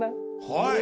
はい！